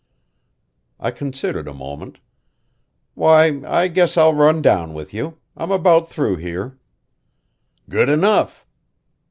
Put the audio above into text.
I considered a moment. "Why, I guess I'll run down with you. I'm about through here." "Good enough!"